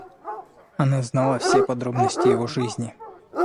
Она знала все подробности его жизни.